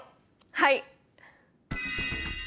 はい！